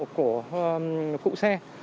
của phụ xe